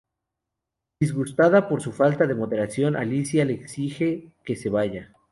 Disgustada por su falta de moderación, Alicia le exige que se vaya.